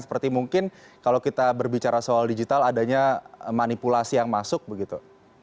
seperti mungkin kalau kita berbicara soal digital adanya manipulasi yang masuk begitu